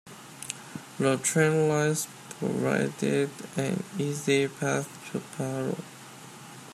The train lines provided an easy path to follow.